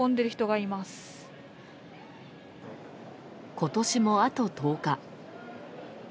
今年も、あと１０日。